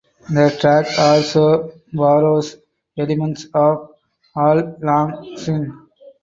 The track also borrows elements of "Auld Lang Syne".